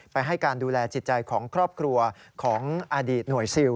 ให้การดูแลจิตใจของครอบครัวของอดีตหน่วยซิล